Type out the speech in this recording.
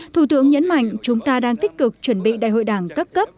thủ tướng nhấn mạnh chúng ta đang tích cực chuẩn bị đại hội đảng các cấp